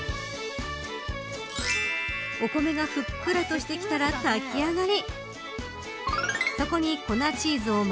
お米がふっくらとしてきたら炊き上がり。